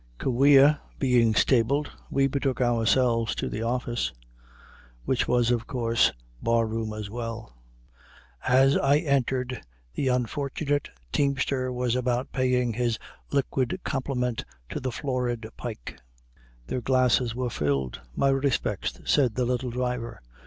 Kaweah being stabled, we betook ourselves to the office, which was of course bar room as well. As I entered, the unfortunate teamster was about paying his liquid compliment to the florid Pike. Their glasses were filled. "My respects," said the little driver.